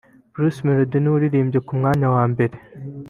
Bruce Melody ni we uririmbye ku mwanya wa mbere